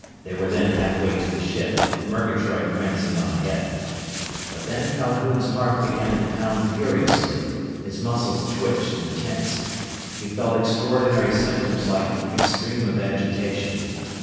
They were then halfway to the ship, with Murgatroyd prancing on ahead. But then Calhoun's heart began to pound furiously. His muscles twitched and tensed. He felt extraordinary symptoms like an extreme of agitation.